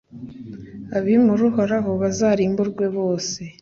abimura Uhoraho bazarimburwe bose